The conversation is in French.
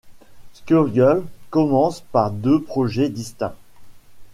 Skullgirls commence par deux projets distincts.